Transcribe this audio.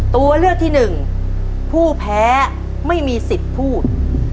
ตัวเลือกที่หนึ่งผู้แพ้ไม่มีสิทธิ์พูด